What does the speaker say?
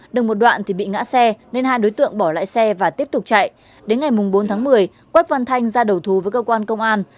đường một đoạn bị ngã xe nên hai đối tượng bỏ lại xe và tiếp tục chạy đến ngày bốn tháng một mươi quất văn thanh ra đầu thù với cơ quan công an